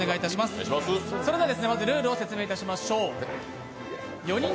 それではルールを説明いたしましょう。